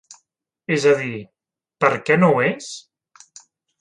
És a dir, per què no ho és?